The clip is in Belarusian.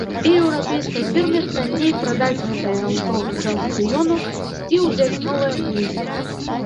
І еўрапейскай фірме танней прадаць гэтае аўто з аўкцыёну і ўзяць новае ў лізінг.